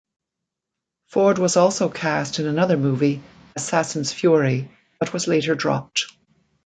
Ford was also cast in another movie, "Assassin's Fury", but was later dropped.